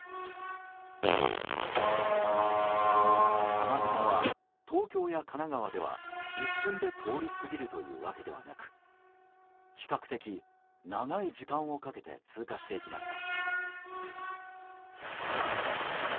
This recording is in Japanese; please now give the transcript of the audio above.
雨雲は東京や神奈川では、一瞬で通り過ぎるというわけではなく比較的長い時間をかけて通過していきました。